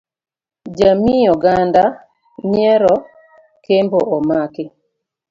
Jamii oganda nyiero Kembo omaki.